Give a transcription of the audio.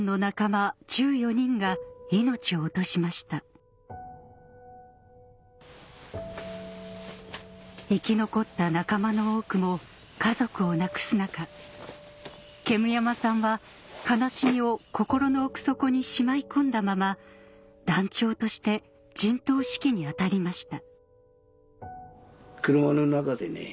大町では生き残った仲間の多くも家族を亡くす中煙山さんは悲しみを心の奥底にしまい込んだまま団長として陣頭指揮に当たりました